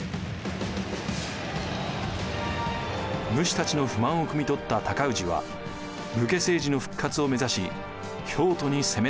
武士たちの不満をくみ取った尊氏は武家政治の復活を目指し京都に攻め上ります。